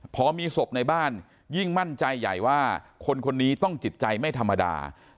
พอมีศพในบ้านยิ่งมั่นใจใหญ่ว่าคนคนนี้ต้องจิตใจไม่ธรรมดา